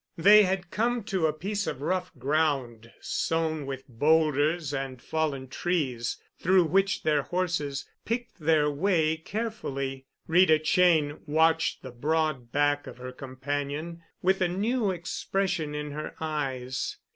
They had come to a piece of rough ground sown with boulders and fallen trees, through which their horses picked their way carefully. Rita Cheyne watched the broad back of her companion with a new expression in her eyes.